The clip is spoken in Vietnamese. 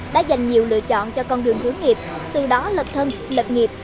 đã dành nhiều lựa chọn cho con đường hướng nghiệp từ đó lập thân lập nghiệp